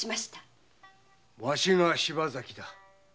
わしが柴崎だ。